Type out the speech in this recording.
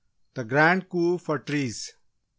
The Grand Coup for trees 9.